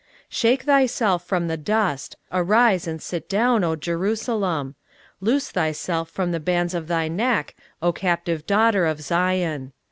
23:052:002 Shake thyself from the dust; arise, and sit down, O Jerusalem: loose thyself from the bands of thy neck, O captive daughter of Zion.